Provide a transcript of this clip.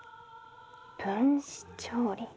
分子調理。